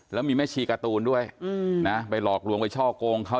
แล้วมีแม่ชีการ์ตูนด้วยนะไปหลอกลวงไปช่อกงเขา